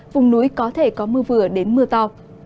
vùng núi có thể có mưa vừa đến mưa to